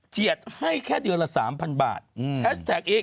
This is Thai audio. เจียดให้แค่เดือนละ๓๐๐๐บาทแฮชแท็กอีก